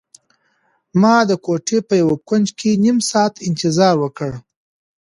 ما د کوټې په یو کنج کې نيم ساعت انتظار وکړ.